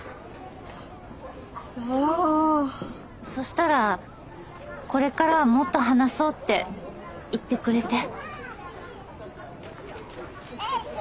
そしたらこれからはもっと話そうって言ってくれて。